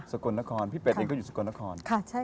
กลนครพี่เป็ดเองก็อยู่สกลนคร